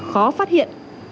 khó phát hiện